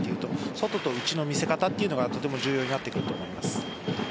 外と内の見せ方がとても重要になってくると思います。